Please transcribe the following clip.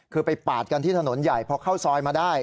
คือไปปาดกันที่ถนนใหญ่พอเข้าซอยมาได้